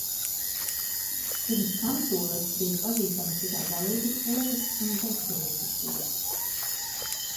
"Pirms Kantora bija pazīstamas tikai galīgas kopas un "bezgalīgas kopas"."